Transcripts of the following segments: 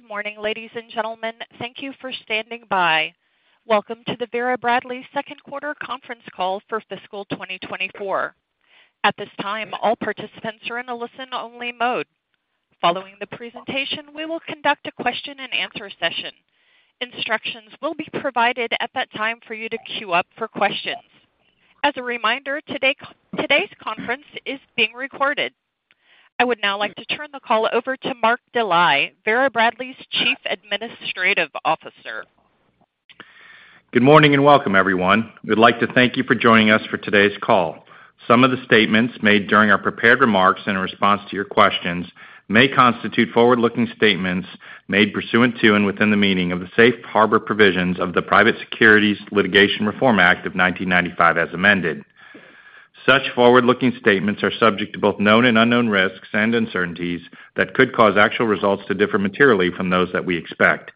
Good morning, ladies and gentlemen. Thank you for standing by. Welcome to the Vera Bradley second quarter conference call for fiscal 2024. At this time, all participants are in a listen-only mode. Following the presentation, we will conduct a question-and-answer session. Instructions will be provided at that time for you to queue up for questions. As a reminder, today's conference is being recorded. I would now like to turn the call over to Mark Dely, Vera Bradley's Chief Administrative Officer. Good morning, and welcome, everyone. We'd like to thank you for joining us for today's call. Some of the statements made during our prepared remarks in response to your questions may constitute forward-looking statements made pursuant to and within the meaning of the Safe Harbor Provisions of the Private Securities Litigation Reform Act of 1995, as amended. Such forward-looking statements are subject to both known and unknown risks and uncertainties that could cause actual results to differ materially from those that we expect.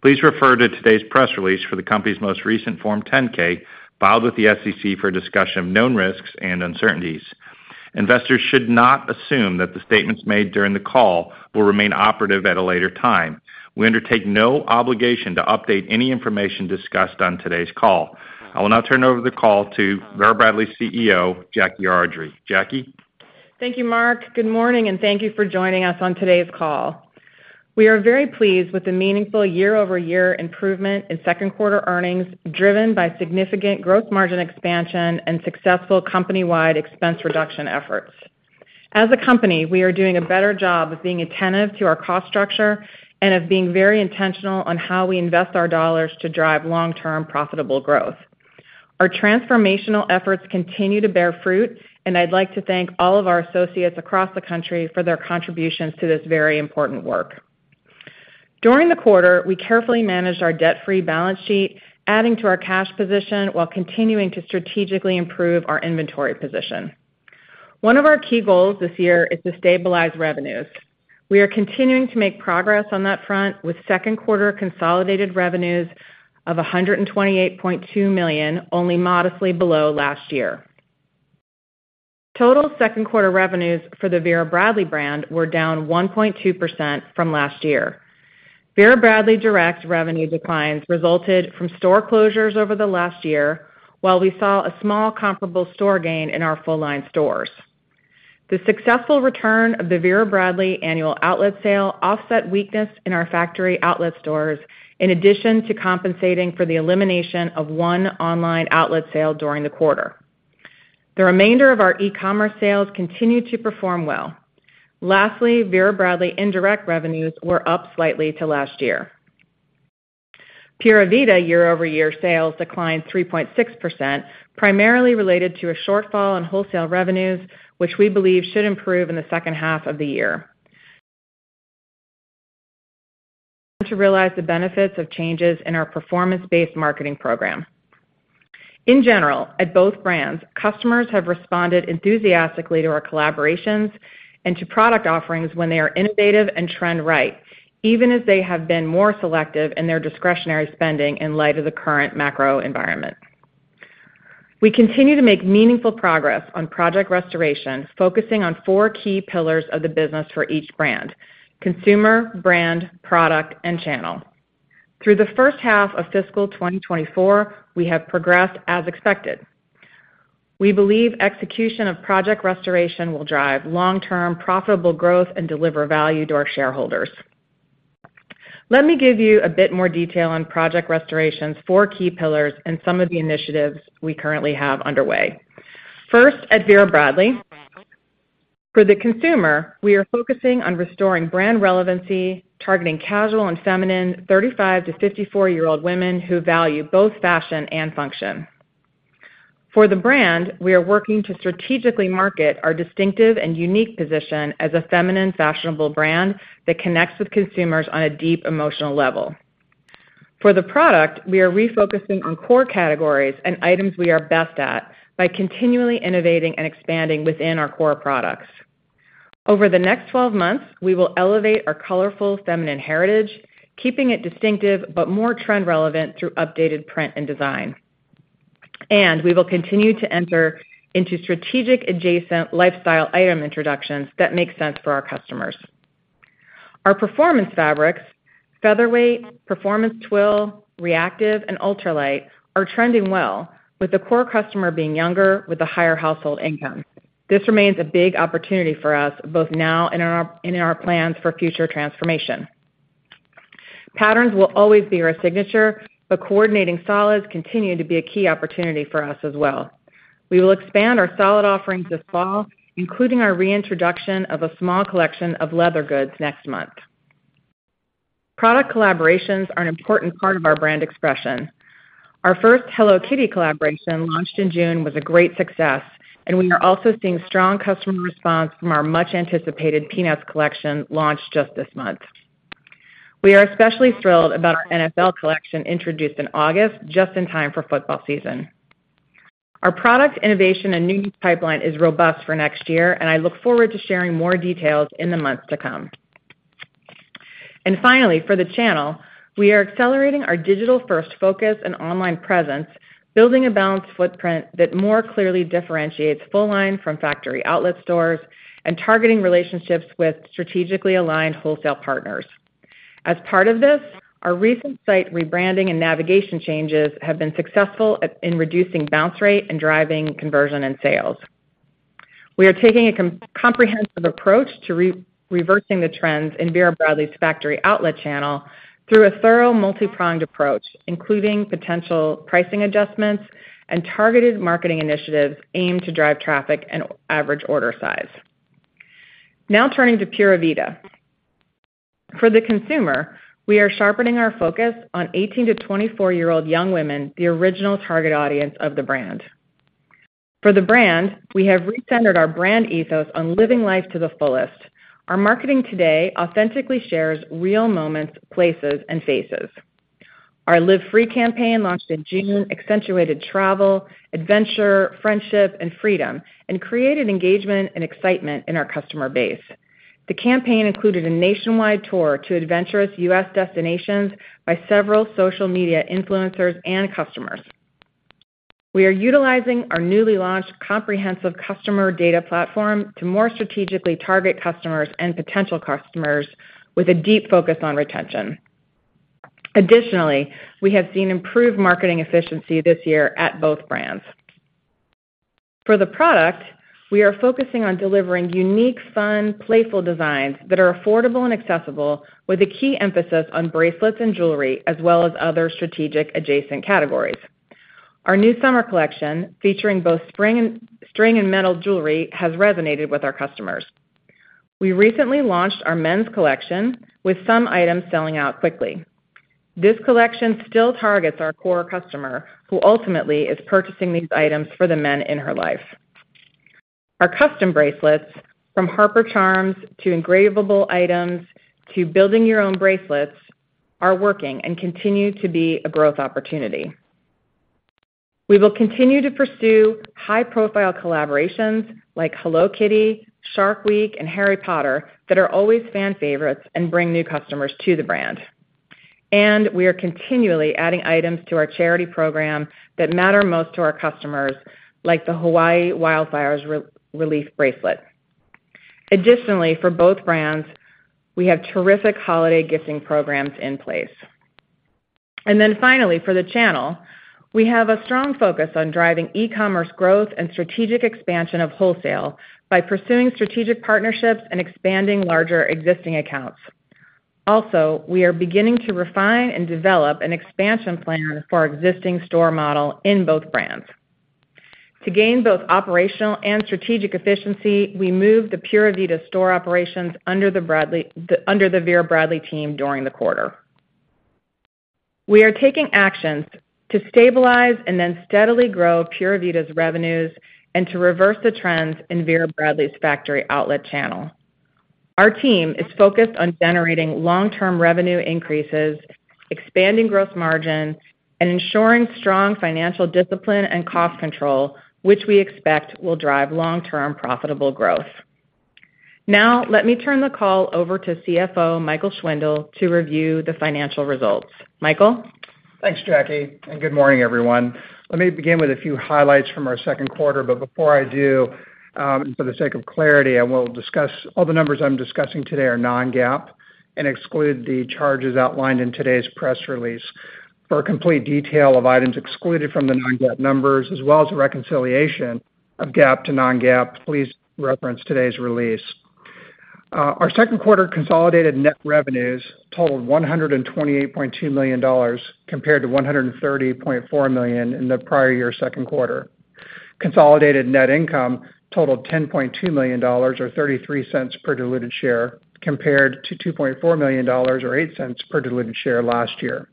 Please refer to today's press release for the company's most recent Form 10-K, filed with the SEC for a discussion of known risks and uncertainties. Investors should not assume that the statements made during the call will remain operative at a later time. We undertake no obligation to update any information discussed on today's call. I will now turn over the call to Vera Bradley CEO, Jackie Ardrey. Jackie? Thank you, Mark. Good morning, and thank you for joining us on today's call. We are very pleased with the meaningful year-over-year improvement in second quarter earnings, driven by significant gross margin expansion and successful company-wide expense reduction efforts. As a company, we are doing a better job of being attentive to our cost structure and of being very intentional on how we invest our dollars to drive long-term profitable growth. Our transformational efforts continue to bear fruit, and I'd like to thank all of our associates across the country for their contributions to this very important work. During the quarter, we carefully managed our debt-free balance sheet, adding to our cash position while continuing to strategically improve our inventory position. One of our key goals this year is to stabilize revenues. We are continuing to make progress on that front with second quarter consolidated revenues of $128.2 million, only modestly below last year. Total second quarter revenues for the Vera Bradley brand were down 1.2% from last year. Vera Bradley Direct revenue declines resulted from store closures over the last year, while we saw a small comparable store gain in our full line stores. The successful return of the Vera Bradley Annual Outlet Sale offset weakness in our factory outlet stores, in addition to compensating for the elimination of one online outlet sale during the quarter. The remainder of our e-commerce sales continued to perform well. Lastly, Vera Bradley Indirect revenues were up slightly to last year. Pura Vida year-over-year sales declined 3.6%, primarily related to a shortfall in wholesale revenues, which we believe should improve in the second half of the year, to realize the benefits of changes in our performance-based marketing program. In general, at both brands, customers have responded enthusiastically to our collaborations and to product offerings when they are innovative and trend right, even as they have been more selective in their discretionary spending in light of the current macro environment. We continue to make meaningful progress on Project Restoration, focusing on 4 key pillars of the business for each brand: consumer, brand, product, and channel. Through the first half of fiscal 2024, we have progressed as expected. We believe execution of Project Restoration will drive long-term profitable growth and deliver value to our shareholders. Let me give you a bit more detail on Project Restoration's four key pillars and some of the initiatives we currently have underway. First, at Vera Bradley. For the consumer, we are focusing on restoring brand relevancy, targeting casual and feminine 35- to 54-year-old women who value both fashion and function. For the brand, we are working to strategically market our distinctive and unique position as a feminine, fashionable brand that connects with consumers on a deep emotional level. For the product, we are refocusing on core categories and items we are best at by continually innovating and expanding within our core products. Over the next 12 months, we will elevate our colorful, feminine heritage, keeping it distinctive but more trend relevant through updated print and design. And we will continue to enter into strategic adjacent lifestyle item introductions that make sense for our customers. Our performance fabrics, Featherweight, Performance Twill, ReActive, and Ultralight, are trending well with the core customer being younger with a higher household income. This remains a big opportunity for us, both now and in our plans for future transformation. Patterns will always be our signature, but coordinating solids continue to be a key opportunity for us as well. We will expand our solid offerings this fall, including our reintroduction of a small collection of leather goods next month. Product collaborations are an important part of our brand expression. Our first Hello Kitty collaboration, launched in June, was a great success, and we are also seeing strong customer response from our much-anticipated Peanuts collection, launched just this month. We are especially thrilled about our NFL collection, introduced in August, just in time for football season. Our product innovation and new pipeline is robust for next year, and I look forward to sharing more details in the months to come. And finally, for the channel, we are accelerating our digital-first focus and online presence, building a balanced footprint that more clearly differentiates full-line from factory outlet stores and targeting relationships with strategically aligned wholesale partners. As part of this, our recent site rebranding and navigation changes have been successful in reducing bounce rate and driving conversion and sales. We are taking a comprehensive approach to reversing the trends in Vera Bradley's factory outlet channel through a thorough multi-pronged approach, including potential pricing adjustments and targeted marketing initiatives aimed to drive traffic and average order size. Now, turning to Pura Vida. For the consumer, we are sharpening our focus on 18- to 24-year-old young women, the original target audience of the brand. For the brand, we have recentered our brand ethos on living life to the fullest. Our marketing today authentically shares real moments, places, and faces. Our Live Free campaign, launched in June, accentuated travel, adventure, friendship, and freedom, and created engagement and excitement in our customer base. The campaign included a nationwide tour to adventurous U.S. destinations by several social media influencers and customers. We are utilizing our newly launched comprehensive customer data platform to more strategically target customers and potential customers with a deep focus on retention. Additionally, we have seen improved marketing efficiency this year at both brands. For the product, we are focusing on delivering unique, fun, playful designs that are affordable and accessible, with a key emphasis on bracelets and jewelry, as well as other strategic adjacent categories. Our new summer collection, featuring both string and metal jewelry, has resonated with our customers. We recently launched our men's collection, with some items selling out quickly. This collection still targets our core customer, who ultimately is purchasing these items for the men in her life. Our custom bracelets, from Harper charms, to engravable items, to building your own bracelets, are working and continue to be a growth opportunity. We will continue to pursue high-profile collaborations like Hello Kitty, Shark Week, and Harry Potter that are always fan favorites and bring new customers to the brand. We are continually adding items to our charity program that matter most to our customers, like the Hawaii Wildfires relief bracelet. Additionally, for both brands, we have terrific holiday gifting programs in place. Then finally, for the channel, we have a strong focus on driving e-commerce growth and strategic expansion of wholesale by pursuing strategic partnerships and expanding larger existing accounts. Also, we are beginning to refine and develop an expansion plan for our existing store model in both brands. To gain both operational and strategic efficiency, we moved the Pura Vida store operations under the Vera Bradley team during the quarter. We are taking actions to stabilize and then steadily grow Pura Vida's revenues and to reverse the trends in Vera Bradley's factory outlet channel. Our team is focused on generating long-term revenue increases, expanding gross margin, and ensuring strong financial discipline and cost control, which we expect will drive long-term profitable growth. Now, let me turn the call over to CFO Michael Schwindle to review the financial results. Michael? Thanks, Jackie, and good morning, everyone. Let me begin with a few highlights from our second quarter, but before I do, for the sake of clarity, I will discuss all the numbers I'm discussing today are non-GAAP and exclude the charges outlined in today's press release. For a complete detail of items excluded from the non-GAAP numbers, as well as a reconciliation of GAAP to non-GAAP, please reference today's release. Our second quarter consolidated net revenues totaled $128.2 million, compared to $130.4 million in the prior year's second quarter. Consolidated net income totaled $10.2 million, or $0.33 per diluted share, compared to $2.4 million, or $0.08 per diluted share last year.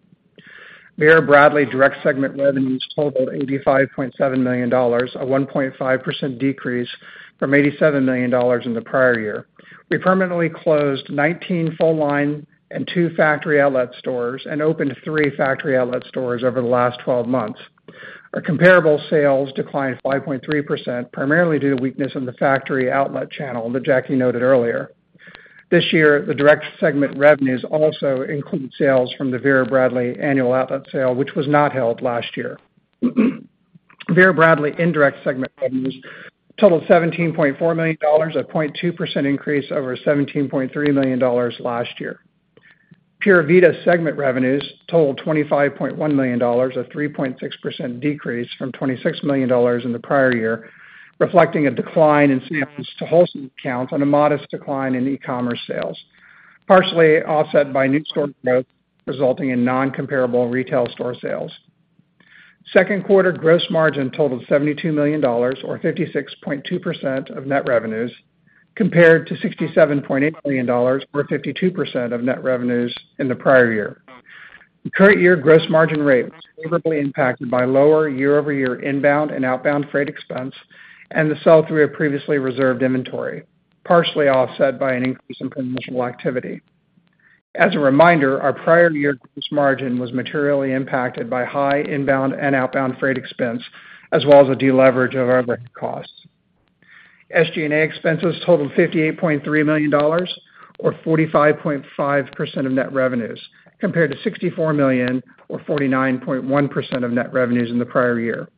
Vera Bradley Direct segment revenues totaled $85.7 million, a 1.5% decrease from $87 million in the prior year. We permanently closed 19 full-line and 2 factory outlet stores and opened 3 factory outlet stores over the last 12 months. Our comparable sales declined 5.3%, primarily due to weakness in the factory outlet channel that Jackie noted earlier. This year, the Direct segment revenues also include sales from the Vera Bradley Annual outlet sale, which was not held last year. Vera Bradley Indirect segment revenues totaled $17.4 million, a 0.2% increase over $17.3 million last year. Pura Vida segment revenues totaled $25.1 million, a 3.6% decrease from $26 million in the prior year, reflecting a decline in sales to wholesale accounts and a modest decline in e-commerce sales, partially offset by new store growth, resulting in non-comparable retail store sales. Second quarter gross margin totaled $72 million, or 56.2% of net revenues, compared to $67.8 million, or 52% of net revenues in the prior year. The current year gross margin rate was favorably impacted by lower year-over-year inbound and outbound freight expense and the sell-through of previously reserved inventory, partially offset by an increase in promotional activity. As a reminder, our prior year gross margin was materially impacted by high inbound and outbound freight expense, as well as a deleverage of our direct costs. SG&A expenses totaled $58.3 million, or 45.5% of net revenues, compared to $64 million, or 49.1% of net revenues in the prior year.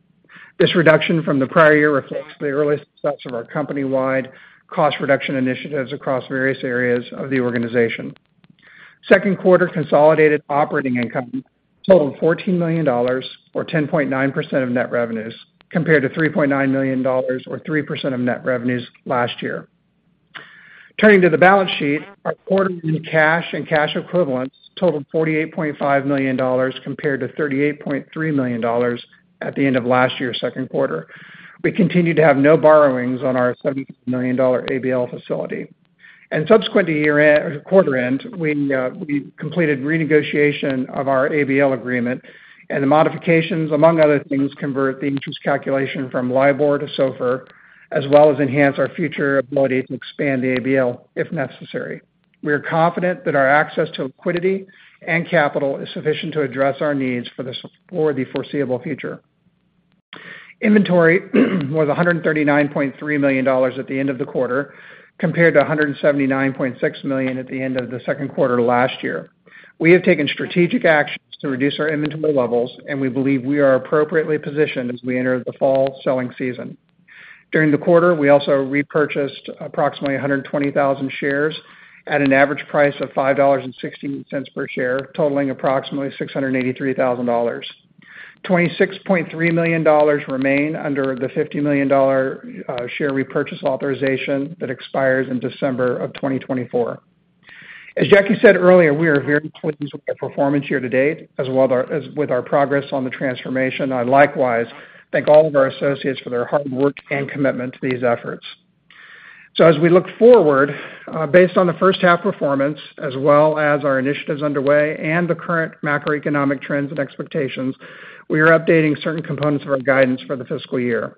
This reduction from the prior year reflects the early success of our company-wide cost reduction initiatives across various areas of the organization. Second quarter consolidated operating income totaled $14 million, or 10.9% of net revenues, compared to $3.9 million or 3% of net revenues last year. Turning to the balance sheet, our quarter-end cash and cash equivalents totaled $48.5 million compared to $38.3 million at the end of last year's second quarter. We continue to have no borrowings on our $70 million ABL facility. Subsequent to quarter end, we completed renegotiation of our ABL agreement, and the modifications, among other things, convert the interest calculation from LIBOR to SOFR, as well as enhance our future ability to expand the ABL if necessary. We are confident that our access to liquidity and capital is sufficient to address our needs for the foreseeable future. Inventory was $139.3 million at the end of the quarter, compared to $179.6 million at the end of the second quarter last year. We have taken strategic actions to reduce our inventory levels, and we believe we are appropriately positioned as we enter the fall selling season. During the quarter, we also repurchased approximately 120,000 shares at an average price of $5.16 per share, totaling approximately $683,000. $26.3 million remain under the $50 million share repurchase authorization that expires in December 2024. As Jackie said earlier, we are very pleased with our performance year to date, as well as our progress on the transformation. I likewise thank all of our associates for their hard work and commitment to these efforts. As we look forward, based on the first half performance, as well as our initiatives underway and the current macroeconomic trends and expectations, we are updating certain components of our guidance for the fiscal year.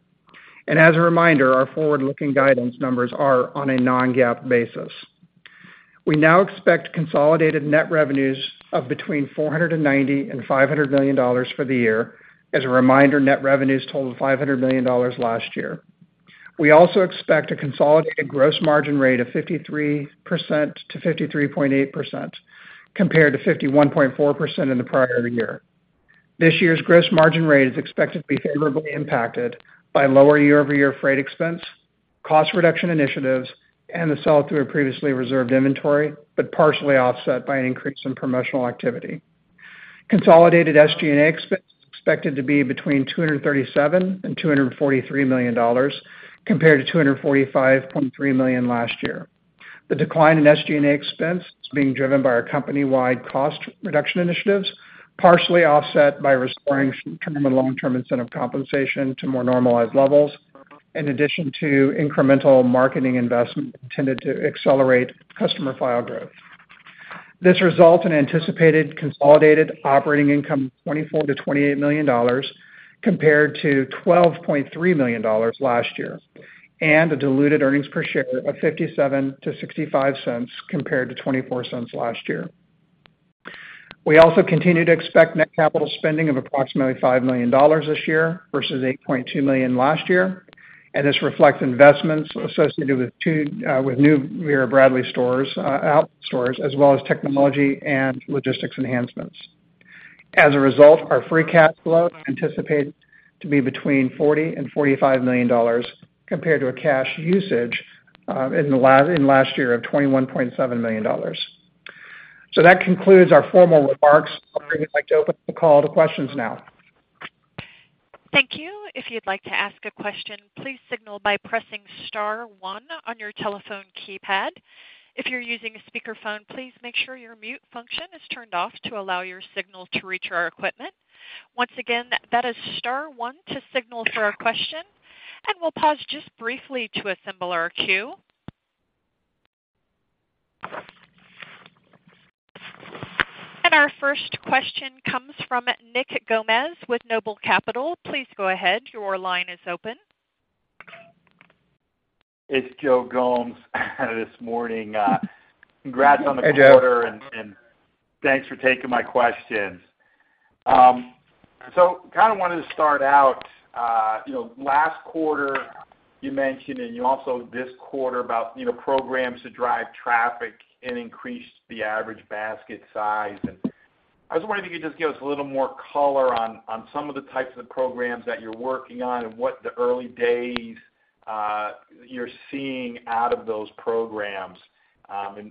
As a reminder, our forward-looking guidance numbers are on a non-GAAP basis. We now expect consolidated net revenues of between $490 million and $500 million for the year. As a reminder, net revenues totaled $500 million last year. We also expect a consolidated gross margin rate of 53% to 53.8%, compared to 51.4% in the prior year. This year's gross margin rate is expected to be favorably impacted by lower year-over-year freight expense, cost reduction initiatives, and the sell-through of previously reserved inventory, but partially offset by an increase in promotional activity. Consolidated SG&A expense is expected to be between $237 million and $243 million, compared to $245.3 million last year. The decline in SG&A expense is being driven by our company-wide cost reduction initiatives, partially offset by restoring short-term and long-term incentive compensation to more normalized levels, in addition to incremental marketing investment intended to accelerate customer file growth. This results in anticipated consolidated operating income of $24 million-$28 million, compared to $12.3 million last year, and a diluted earnings per share of $0.57-$0.65, compared to $0.24 last year. We also continue to expect net capital spending of approximately $5 million this year versus $8.2 million last year, and this reflects investments associated with 2, with new Vera Bradley stores, outlet stores, as well as technology and logistics enhancements. As a result, our free cash flow is anticipated to be between $40 million and $45 million, compared to a cash usage in last year of $21.7 million. So that concludes our formal remarks. We'd like to open the call to questions now. Thank you. If you'd like to ask a question, please signal by pressing star one on your telephone keypad. If you're using a speakerphone, please make sure your mute function is turned off to allow your signal to reach our equipment. Once again, that is star one to signal for a question, and we'll pause just briefly to assemble our queue. Our first question comes from Joe Gomes with Noble Capital. Please go ahead. Your line is open. It's Joe Gomes this morning. Congrats on the quarter- Hey, Joe. And thanks for taking my questions. So kind of wanted to start out, you know, last quarter, you mentioned, and you also this quarter, about, you know, programs to drive traffic and increase the average basket size. And I was wondering if you could just give us a little more color on some of the types of programs that you're working on and what the early days you're seeing out of those programs,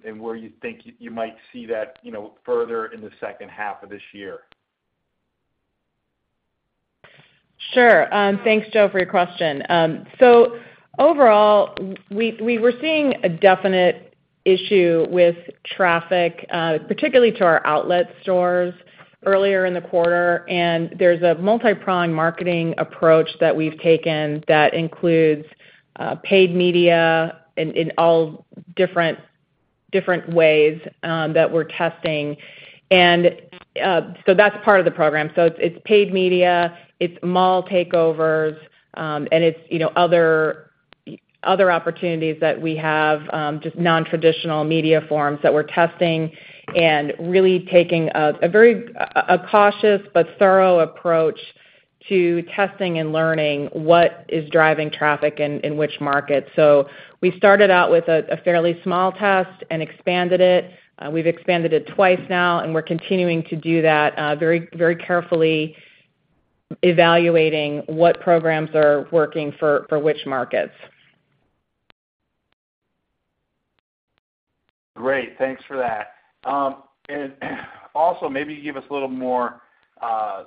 and where you think you might see that, you know, further in the second half of this year. Sure. Thanks, Joe, for your question. So overall, we were seeing a definite issue with traffic, particularly to our outlet stores earlier in the quarter, and there's a multi-pronged marketing approach that we've taken that includes paid media in all different ways that we're testing. So that's part of the program. So it's paid media, it's mall takeovers, and it's, you know, other opportunities that we have, just non-traditional media forms that we're testing and really taking a very cautious but thorough approach to testing and learning what is driving traffic in which markets. So we started out with a fairly small test and expanded it. We've expanded it twice now, and we're continuing to do that very carefully evaluating what programs are working for which markets. Great, thanks for that. And also, maybe give us a little more,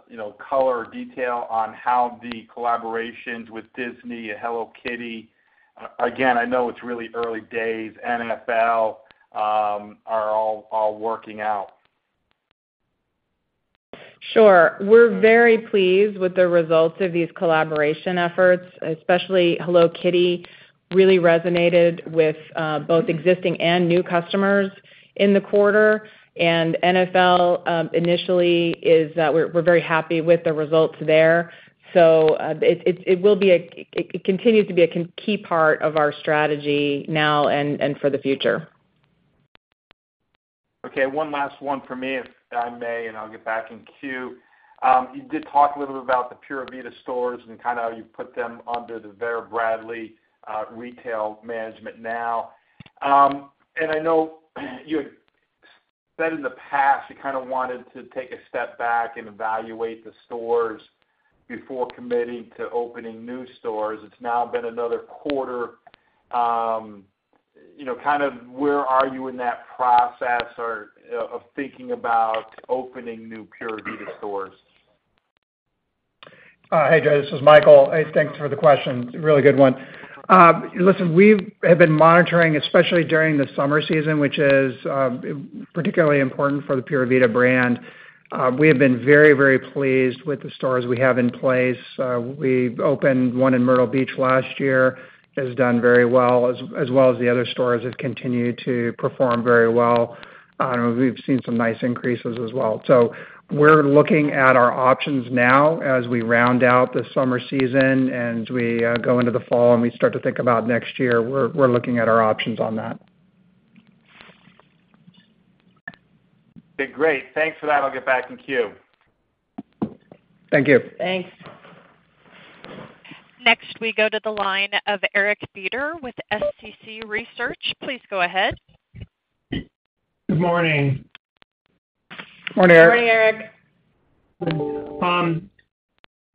you know, color or detail on how the collaborations with Disney and Hello Kitty, again, I know it's really early days, NFL, are all working out. Sure. We're very pleased with the results of these collaboration efforts, especially Hello Kitty really resonated with both existing and new customers in the quarter, and NFL initially is that we're very happy with the results there. So, it continues to be a key part of our strategy now and for the future. Okay, one last one for me, if I may, and I'll get back in queue. You did talk a little bit about the Pura Vida stores and kind of how you put them under the Vera Bradley retail management now. And I know you had said in the past, you kinda wanted to take a step back and evaluate the stores before committing to opening new stores. It's now been another quarter, you know, kind of where are you in that process or of thinking about opening new Pura Vida stores? Hey, Joe, this is Michael. Hey, thanks for the question. Really good one. Listen, we have been monitoring, especially during the summer season, which is particularly important for the Pura Vida brand. We have been very, very pleased with the stores we have in place. We opened one in Myrtle Beach last year. It has done very well, as well as the other stores have continued to perform very well. We've seen some nice increases as well. So we're looking at our options now as we round out the summer season, and we go into the fall, and we start to think about next year. We're looking at our options on that. Okay, great. Thanks for that. I'll get back in queue. Thank you. Thanks. Next, we go to the line of Eric Beder with SCC Research. Please go ahead. Good morning. Morning, Eric. Morning, Eric.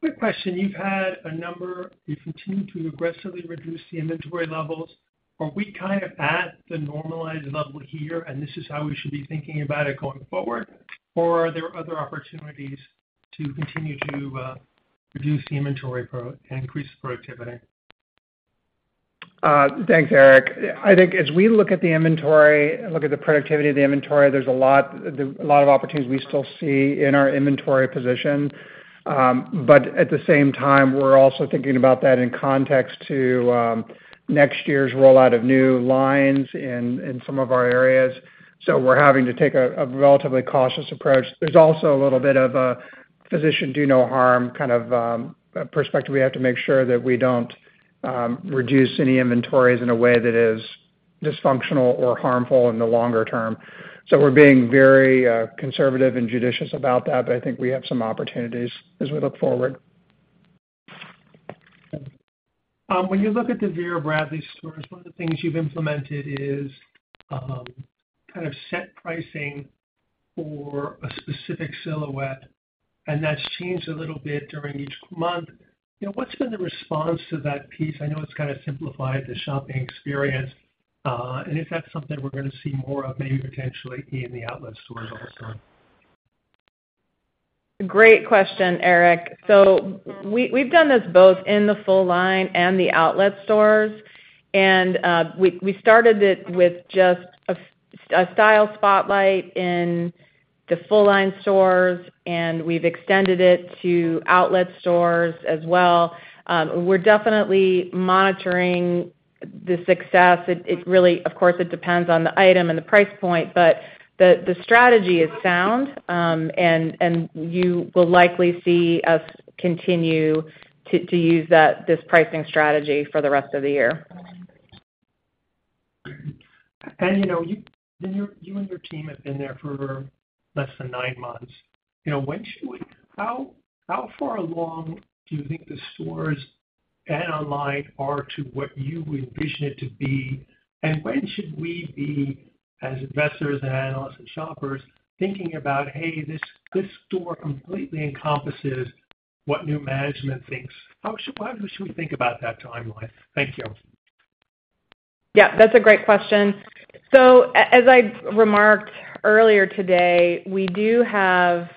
Quick question. You've continued to aggressively reduce the inventory levels. Are we kind of at the normalized level here, and this is how we should be thinking about it going forward? Or are there other opportunities to continue to reduce the inventory and increase the productivity? Thanks, Eric. I think as we look at the inventory, look at the productivity of the inventory, there's a lot, there're a lot of opportunities we still see in our inventory position. But at the same time, we're also thinking about that in context to next year's rollout of new lines in some of our areas. So we're having to take a relatively cautious approach. There's also a little bit of a physician do no harm, kind of perspective. We have to make sure that we don't reduce any inventories in a way that is dysfunctional or harmful in the longer term. So we're being very conservative and judicious about that, but I think we have some opportunities as we look forward. When you look at the Vera Bradley stores, one of the things you've implemented is kind of set pricing for a specific silhouette, and that's changed a little bit during each month. You know, what's been the response to that piece? I know it's kinda simplified the shopping experience. And is that something we're gonna see more of, maybe potentially in the outlet stores also? Great question, Eric. So we've done this both in the full line and the outlet stores, and we started it with just a Style Spotlight in the full line stores, and we've extended it to outlet stores as well. We're definitely monitoring the success. It really, of course, depends on the item and the price point, but the strategy is sound. And you will likely see us continue to use that, this pricing strategy for the rest of the year. You know, you and your, you and your team have been there for less than nine months. You know, when should we, how, how far along do you think the stores and online are to what you would envision it to be? And when should we be, as investors and analysts and shoppers, thinking about, "Hey, this, this store completely encompasses what new management thinks?" How should, how should we think about that timeline? Thank you. Yeah, that's a great question. So as I remarked earlier today, we do have...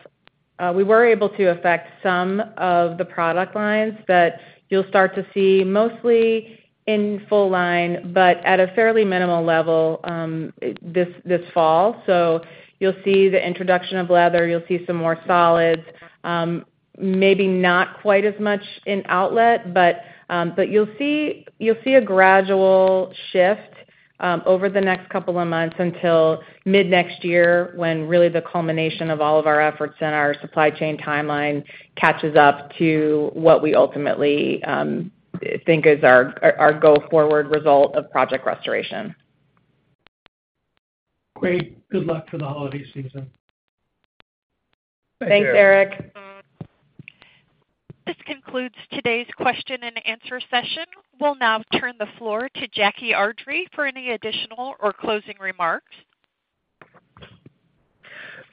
We were able to affect some of the product lines that you'll start to see mostly in full line, but at a fairly minimal level, this, this fall. So you'll see the introduction of leather, you'll see some more solids, maybe not quite as much in outlet, but, but you'll see, you'll see a gradual shift, over the next couple of months until mid-next year, when really the culmination of all of our efforts and our supply chain timeline catches up to what we ultimately, think is our, our go-forward result of Project Restoration. Great. Good luck for the holiday season. Thank you. Thanks, Eric. This concludes today's question and answer session. We'll now turn the floor to Jackie Ardrey for any additional or closing remarks.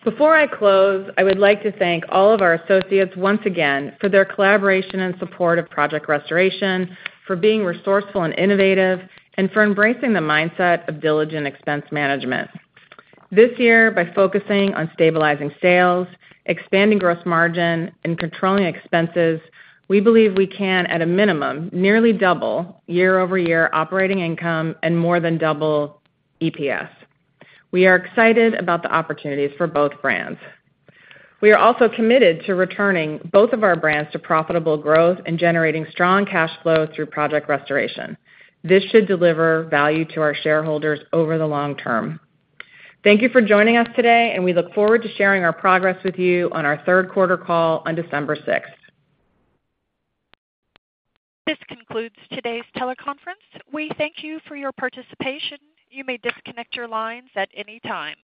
Before I close, I would like to thank all of our associates once again for their collaboration and support of Project Restoration, for being resourceful and innovative, and for embracing the mindset of diligent expense management. This year, by focusing on stabilizing sales, expanding gross margin, and controlling expenses, we believe we can, at a minimum, nearly double year-over-year operating income and more than double EPS. We are excited about the opportunities for both brands. We are also committed to returning both of our brands to profitable growth and generating strong cash flow through Project Restoration. This should deliver value to our shareholders over the long term. Thank you for joining us today, and we look forward to sharing our progress with you on our third quarter call on December sixth. This concludes today's teleconference. We thank you for your participation. You may disconnect your lines at any time.